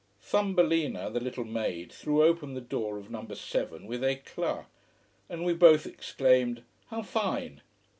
Thumbelina, the little maid, threw open the door of number seven with eclat. And we both exclaimed: "How fine!"